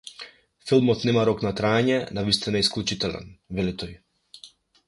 Филмот нема рок на траење, навистина е исклучителен, вели тој.